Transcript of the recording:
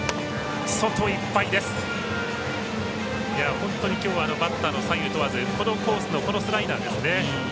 本当にきょうはバッターの左右問わずこのコースのスライダーですね。